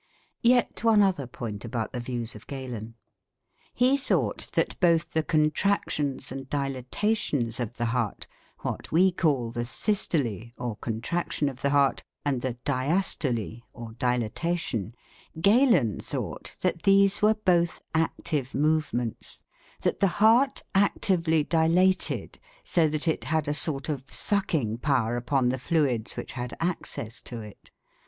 Yet one other point about the views of Galen. He thought that both the contractions and dilatations of the heart what we call the 'systole' or contraction of the heart, and the 'diastole' or dilatation Galen thought that these were both active movements; that the heart actively dilated, so that it had a sort of sucking power upon the fluids which had access to it.